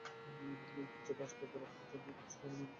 কিছু বাস বগুড়ার ঠনঠনিয়া কোচ টার্মিনালে ফিরে এসে যাত্রী নামিয়ে দিয়েছে।